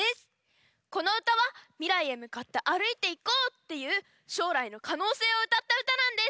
このうたはみらいへむかってあるいていこう！っていうしょうらいのかのうせいをうたったうたなんです！